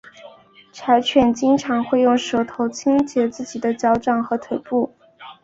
柴犬经常会用舌头清洁自己的脚掌和腿部。